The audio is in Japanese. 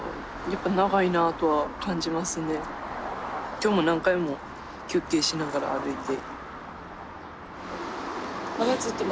今日も何回も休憩しながら歩いて。